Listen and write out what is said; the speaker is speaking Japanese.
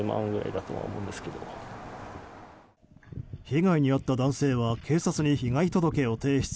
被害に遭った男性は警察に被害届を提出。